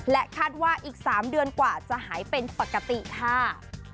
คาดว่าอีก๓เดือนกว่าจะหายเป็นปกติค่ะ